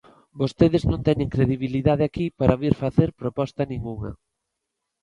Vostedes non teñen credibilidade aquí para vir facer proposta ningunha.